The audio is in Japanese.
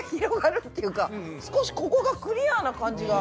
少しここがクリアな感じが。